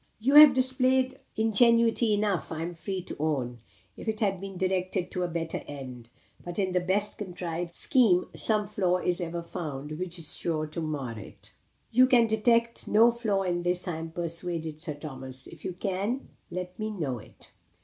"You have displayed ingenuity enough, I am free to own, if it had been directed to a better end; but in the best contrived scheme some flaw is ever found, which is sure to mar it." "You can detect no flaw in this I am persuaded, Sir Thomas. If you can, let me know it?"